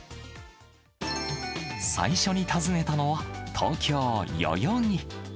最初に訪ねたのは、東京・代々木。